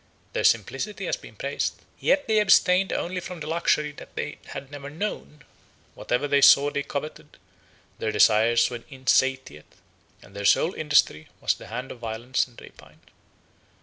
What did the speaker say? Their simplicity has been praised; yet they abstained only from the luxury they had never known; whatever they saw they coveted; their desires were insatiate, and their sole industry was the hand of violence and rapine.